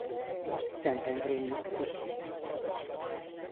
Szentendrén nyugszik.